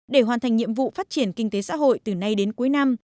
để hoàn thành nhiệm vụ phát triển kinh tế xã hội từ nay đến cuối năm